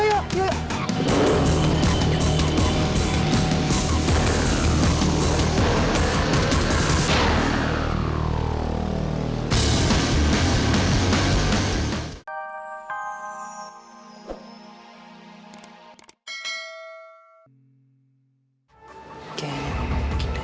kayaknya ini memang mungkin deh